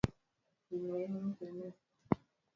wanawake wanaweza kuwa na dalili mbalimbali za kisukari